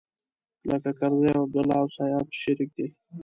لکه کرزی او عبدالله او سياف چې شريک دی.